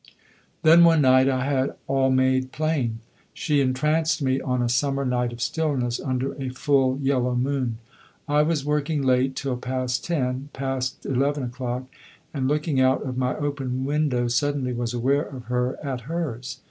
Then one night I had all made plain. She entranced me on a summer night of stillness, under a full yellow moon. I was working late, till past ten, past eleven o'clock, and looking out of my open window suddenly was aware of her at hers.